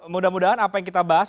mudah mudahan apa yang kita bahas